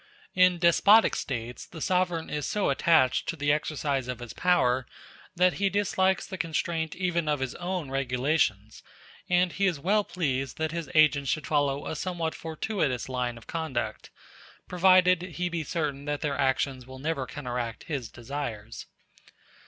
In despotic States the sovereign is so attached to the exercise of his power, that he dislikes the constraint even of his own regulations; and he is well pleased that his agents should follow a somewhat fortuitous line of conduct, provided he be certain that their actions will never counteract his desires.